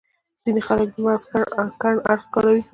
ځينې خلک د مغز کڼ اړخ کاروي.